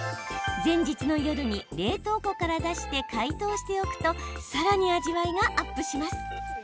前日の夜に冷凍庫から出して解凍しておくとさらに味わいがアップします。